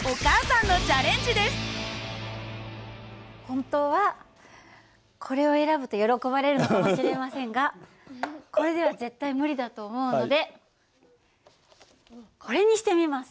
本当はこれを選ぶと喜ばれるのかもしれませんがこれでは絶対無理だと思うのでこれにしてみます。